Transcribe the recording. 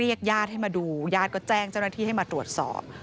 ญาติก็แจ้งเจ้าหน้าที่ให้มาตรวจสอบ